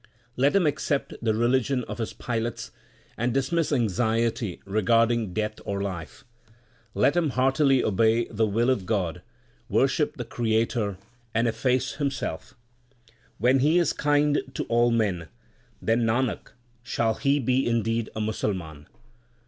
Let him accept the religion of his pilots, and dismiss anxiety regarding death or life ; 4 Let him heartily obey the will of God, worship the Creator, and efface himself When he is kind to all men, then Nanak, shall he be indeed a Musalman.